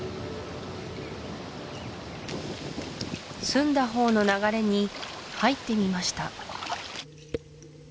澄んだほうの流れに入ってみました